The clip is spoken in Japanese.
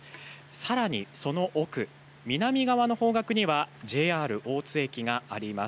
さらにその奥、南側の方角にはＪＲ大津駅があります。